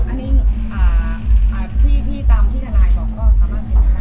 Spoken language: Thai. อันนี้พี่ที่ตามที่ทนายบอกก็คำว่าเป็นคำ